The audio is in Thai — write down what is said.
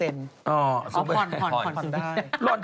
รอนซื้อเหรอ